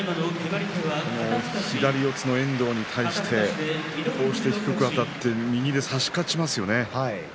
左四つの遠藤に対して低くあたって右で差し勝ちますよね。